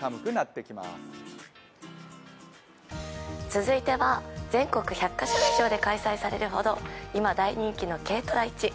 続いては全国１００か所以上で開催されるほど今、大人気の軽トラ市。